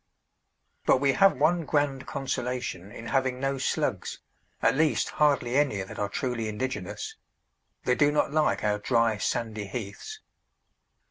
But we have one grand consolation in having no slugs, at least hardly any that are truly indigenous; they do not like our dry, sandy heaths.